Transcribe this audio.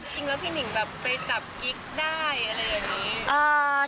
จริงแล้วพี่หนิ่งแบบไปจับกิ๊กได้อะไรอย่างนี้